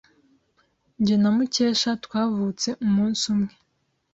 Jye na Mukesha twavutse umunsi umwe.